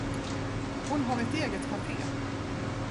Hon har ett eget café.